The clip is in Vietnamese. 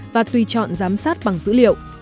và tùy chọn giám sát bằng dữ liệu